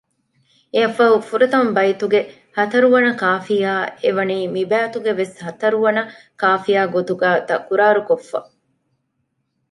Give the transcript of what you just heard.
އެއަށްފަހު ފުރަތަމަ ބައިތުގެ ހަތަރުވަނަ ކާފިޔާ އެ ވަނީ މި ބައިތުގެ ވެސް ހަތަރުވަނަ ކާފިޔާގެ ގޮތުގައި ތަކުރާރުކޮށްފަ